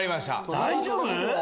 大丈夫？